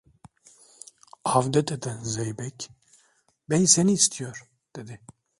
Avdet eden zeybek: - Bey seni istiyor, dedi.